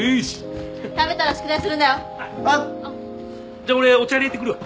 じゃあ俺お茶入れてくるわ。